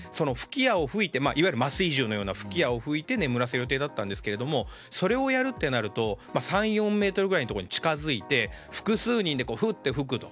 いわゆる麻酔銃のような吹き矢を吹いて眠らせる予定でしたがそれをやるとなると３４ｍくらいのところに近づいて複数人でふっと吹くと。